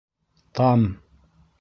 Там!